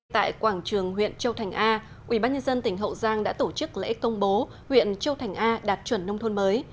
tại quảng trường huyện châu thành a ubnd tỉnh hậu giang đã tổ chức lễ công bố huyện châu thành a đạt chuẩn nông thôn mới